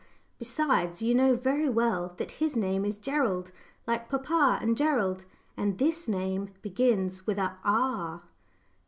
Besides, you know very well that his name is 'Gerald,' like papa and Gerald. And this name begins with a 'R.'"